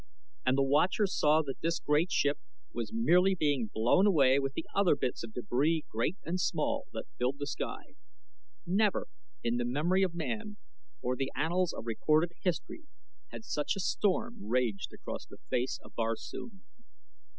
And the watchers saw that this great ship was merely being blown away with the other bits of debris great and small that filled the sky. Never in the memory of man or the annals of recorded history had such a storm raged across the face of Barsoom.